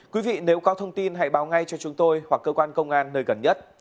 quý vị nếu có thông tin hãy báo ngay cho chúng tôi hoặc cơ quan công an nơi gần nhất